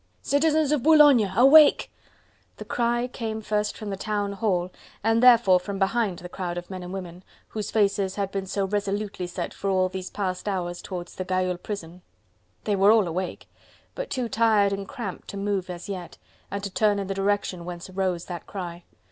"Citizens of Boulogne, awake!" The cry came first from the Town Hall, and therefore from behind the crowd of men and women, whose faces had been so resolutely set for all these past hours towards the Gayole prison. They were all awake! but too tired and cramped to move as yet, and to turn in the direction whence arose that cry.